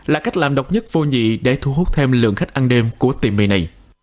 là cách làm độc nhất vô nhị để thu hút thêm lượng khách ăn đêm của tiệm mì này